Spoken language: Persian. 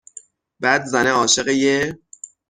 بعد زنه عاشق یه